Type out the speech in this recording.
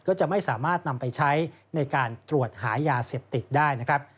ก็จะไม่สามารถนำไปใช้ในการตรวจหายาเสพติดได้นะครับ